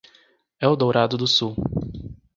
Eldorado do Sul